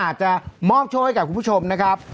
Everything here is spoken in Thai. อาจจะมอบโชคให้กับคุณผู้ชมนะครับ